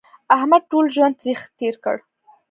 احمد ټول ژوند تریخ تېر کړ